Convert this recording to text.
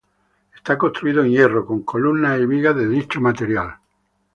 Está construido en hierro, con columnas y vigas de dicho material.